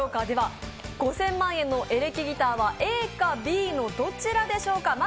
５０００万円のエレキギターはＡかＢのどちらでしょうか。